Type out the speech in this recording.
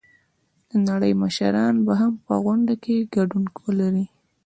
د نړۍ مشران به هم په غونډه کې ګډون ولري.